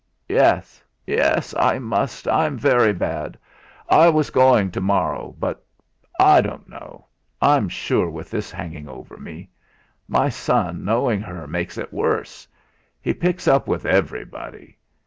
"Yes, yes. I must. I'm very bad. I was going to morrow. But I don't know, I'm sure, with this hanging over me. My son knowing her makes it worse. He picks up with everybody.